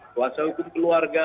kuasa hukum keluarga